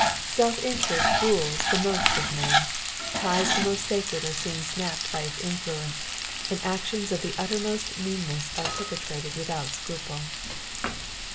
Self interest rules the most of men : ties the most sacred are soon snapped by its influence, and actions of the utmost meanness are perpetrated without scruple.